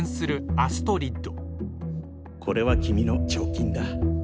アストリッド！